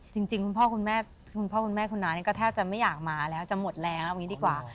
จริงคุณพ่อคุณแม่คุณนาเนี่ยก็แทบจะไม่อยากมาแล้วจะหมดแล้วอย่างนี้ดีกว่า